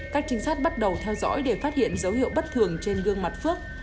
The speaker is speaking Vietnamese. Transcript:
các trinh sát bắt đầu theo dõi để phát hiện dấu hiệu bất thường trên gương mặt phước